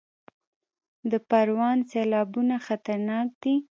د پروان سیلابونه خطرناک دي